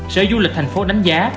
sở du lịch tp hcm đánh giá